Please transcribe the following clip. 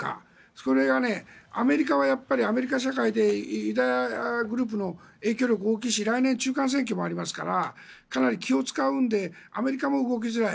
それがアメリカはアメリカ社会でユダヤグループの影響力が大きいし来年、中間選挙もありますからかなり気を使うのでアメリカも動きづらい。